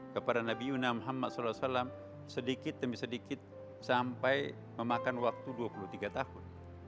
kepada nabi yuna muhammad saw sedikit demi sedikit sampai memakan waktu dua puluh tiga tahun